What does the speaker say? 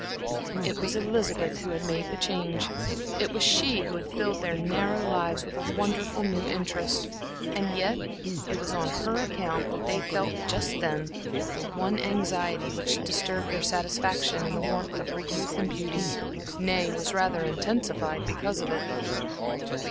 It was Elizabeth who had made the change, it was she who had filled their narrow lives with a wonderful new interest. And yet, it was on her account that they felt just then the one anxiety which disturbed their satisfaction in the warmth of her youth and beauty, nay, was rather intensified because of it.